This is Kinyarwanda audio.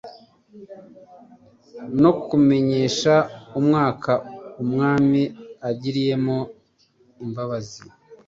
no "kumenyesha umwaka Umwami agiriyemo imbabazi'."